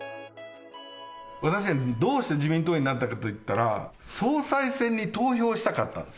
私たちはどうして自民党員になったかというと、総裁選に投票したかったんです。